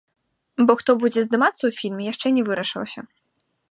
Бо хто будзе здымацца ў фільме, яшчэ не вырашалася.